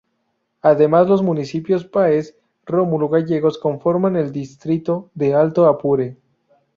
Además, los municipios Páez y Rómulo Gallegos conforman el Distrito del Alto Apure.